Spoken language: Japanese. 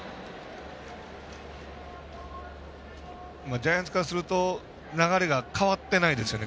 ジャイアンツからすると流れが変わってないですよね。